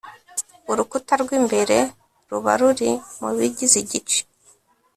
urukuta rw imbere ruba ruri mu bigize igice